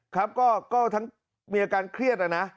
ก็มีอาการเครียดน่ะนะ